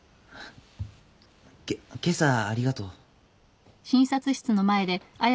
今朝ありがとう。